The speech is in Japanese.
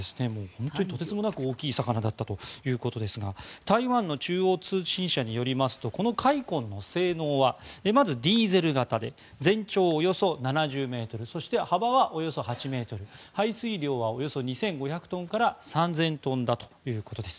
本当にとてつもなく大きい魚だったということですが台湾の中央通信社によりますとこの「海鯤」の性能はまずディーゼル型で全長およそ７０ｍそして、幅はおよそ８ｍ排水量はおよそ２５００トンから３０００トンだということです。